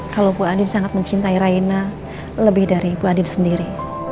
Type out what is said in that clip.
kalau bu andin sangat mencintai raina lebih dari bu andin sendiri